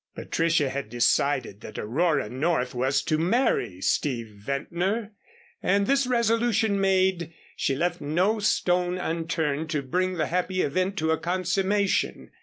Patricia had decided that Aurora North was to marry Steve Ventnor, and this resolution made she left no stone unturned to bring the happy event to a consummation.